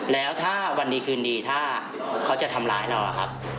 แล้วถ้าวันดีคืนดีถ้าเขาจะทำร้ายเราอะครับ